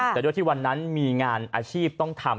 แต่ด้วยที่วันนั้นมีงานอาชีพต้องทำ